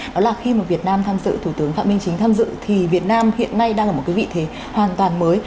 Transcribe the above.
đó là khi mà việt nam tham dự thủ tướng phạm minh chính tham dự thì việt nam hiện nay đang ở một cái vị thế hoàn toàn mới